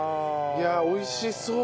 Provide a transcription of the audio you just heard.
いや美味しそう！